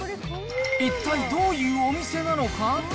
一体どういうお店なのか。